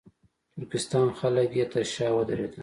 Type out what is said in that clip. ترکستان خلک یې تر شا ودرېدل.